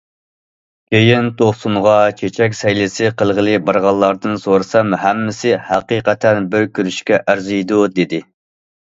كېيىن توقسۇنغا چېچەك سەيلىسى قىلغىلى بارغانلاردىن سورىسام، ھەممىسى ھەقىقەتەن بىر كۆرۈشكە ئەرزىيدۇ، دېدى.